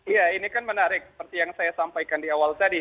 ya ini kan menarik seperti yang saya sampaikan di awal tadi